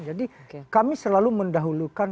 jadi kami selalu mendahulukan